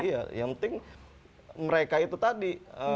iya yang penting mereka itu tadi